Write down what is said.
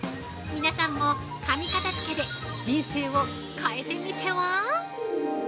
皆さんも「紙片づけ」で人生を変えてみては？